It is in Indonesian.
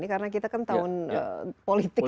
karena kita kan tahun politik